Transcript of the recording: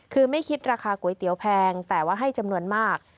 คือไม่คิดราคาก๋วยเตี๋ยวแพงแต่ว่าให้จำนวนมาก